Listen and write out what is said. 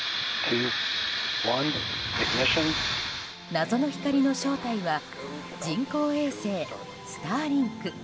謎の光の正体は人工衛星「スターリンク」。